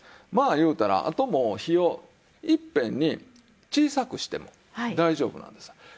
まあ言うたらあともう火をいっぺんに小さくしても大丈夫なんですよ。